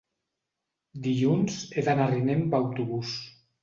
dilluns he d'anar a Riner amb autobús.